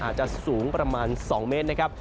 อาจจะสูงประมาณ๒เมตรนะครับ